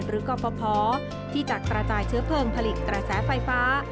หรือก็พอที่จักรประจายเชื้อเพลิงผลิตแต่แสไฟฟ้า